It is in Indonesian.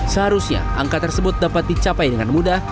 seharusnya angka tersebut dapat dicapai dengan mudah